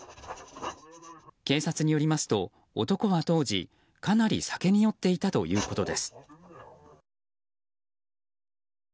警察によりますと、男は当時かなり酒に酔っていたということです。